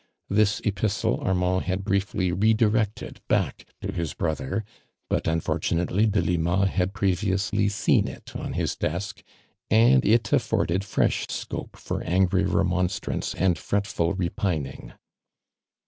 Tills epistlo Arir ^nd had briefly re directed back to his brother, but unfortunately Delima had previously seen it on his desk, and it afforded fresh scope for angry remonstrance and fretful repining.